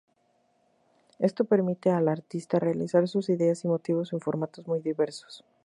Esto permite a la artista realizar sus ideas y motivos en formatos muy diversos.